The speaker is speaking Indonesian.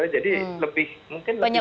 jadi lebih mungkin lebih personal